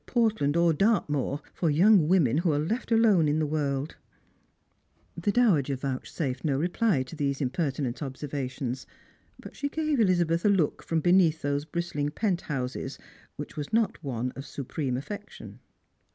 243 Portland (jt Dartmoor for young women who are left alone in the world " The dowager vouchsafed no reply to these impertinent observations, but she gave Elizabeth a look from beneath those bristling penthouses which was not one of supreme aflPection.